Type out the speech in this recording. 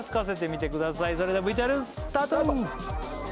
それではＶＴＲスタート！